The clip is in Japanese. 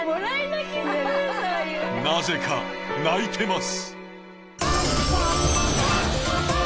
なぜか泣いてます。